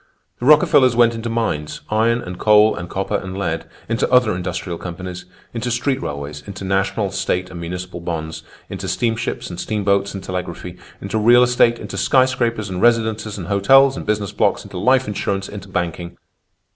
... "The Rockefellers went into mines—iron and coal and copper and lead; into other industrial companies; into street railways, into national, state, and municipal bonds; into steamships and steamboats and telegraphy; into real estate, into skyscrapers and residences and hotels and business blocks; into life insurance, into banking.